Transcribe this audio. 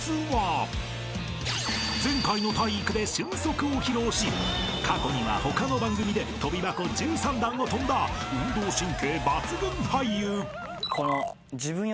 ［前回の体育で俊足を披露し過去には他の番組で跳び箱１３段を跳んだ運動神経抜群俳優］